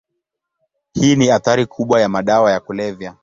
Hii ni athari kubwa ya madawa ya kulevya.